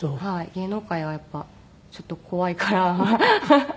芸能界はやっぱりちょっと怖いからハハ。